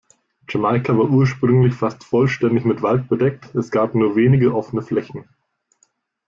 Jamaika war ursprünglich fast vollständig mit Wald bedeckt, es gab nur wenige offene Flächen.